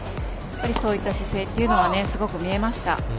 そういった姿勢というのはすごく見えました。